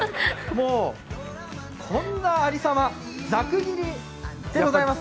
こんなありさま、ザク切りでございます。